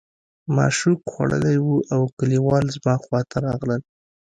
ما شوک خوړلی و او کلیوال زما خواته راغلل